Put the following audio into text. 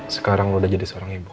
sekarang udah jadi seorang ibu